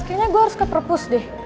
kayaknya gue harus ke perpus deh